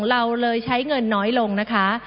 เราเลยใช้เงินน้อยลงนะคะ